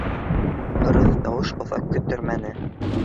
Ҡырыҫ тауыш оҙаҡ көттөрмәне: